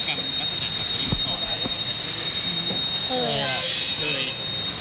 เออเหรอ